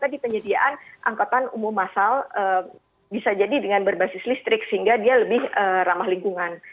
jadi penyediaan angkatan umum masal bisa jadi dengan berbasis listrik sehingga dia lebih ramah lingkungan